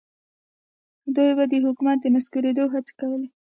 دوی به د حکومت د نسکورېدو هڅې کولې.